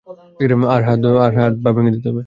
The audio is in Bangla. আর হাত পা ভেঙে দিতে হবে।